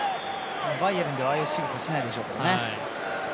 バイエルンではああいうしぐさはしないでしょうね。